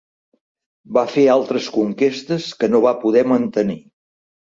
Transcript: Va fer altres conquestes que no va poder mantenir.